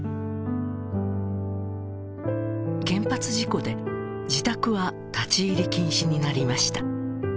原発事故で自宅は立ち入り禁止になりました